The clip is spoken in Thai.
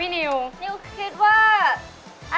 นิวคิดว่า